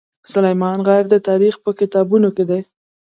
سلیمان غر د تاریخ په کتابونو کې دی.